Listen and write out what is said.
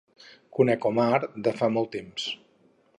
Conec Omar de fa molt temps.